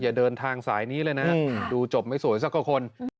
อย่าเดินทางสายนี้เลยนะดูจบไม่สวยสักกว่าคน